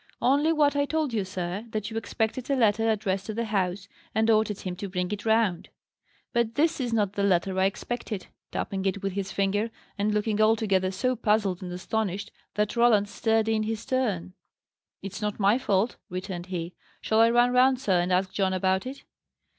"Only what I told you, sir. That you expected a letter addressed to the house, and ordered him to bring it round." "But this is not the letter I expected," tapping it with his finger, and looking altogether so puzzled and astonished that Roland stared in his turn. "It's not my fault," returned he. "Shall I run round, sir, and ask John about it?"